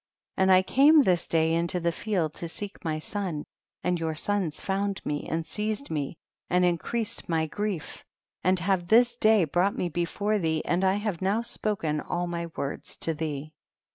45. And I came this day into the field to seek my son, and your sons found me, and seized me and in creased my grief, and have this day brought me before thee, and I have now spoken all my Avords to thee.